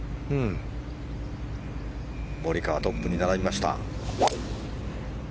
モリカワトップに並びました。